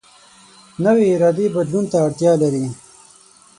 نوې اراده بدلون ته اړتیا لري